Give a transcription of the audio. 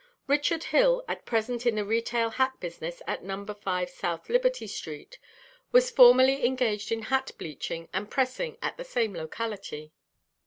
Richard Hill, at present in the retail hat business at No. 5 South Liberty street, was formerly engaged in hat bleaching and pressing at the same locality.